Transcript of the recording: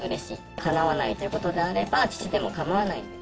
かなわないということであれば、父でも構わない。